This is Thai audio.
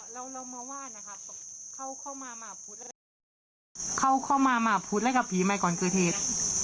อ๋อแล้วเรามาว่านะครับเข้าเข้ามามาพูดอะไรกับผีใหม่ก่อนคือที